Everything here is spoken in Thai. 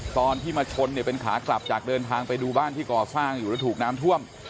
ตอนที่มาชนเนี่ยเป็นขากลับจากเดินทางไปดูบ้านที่ก่อสร้างอยู่แล้วถูกน้ำท่วม